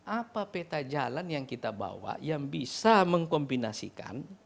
apa peta jalan yang kita bawa yang bisa mengkombinasikan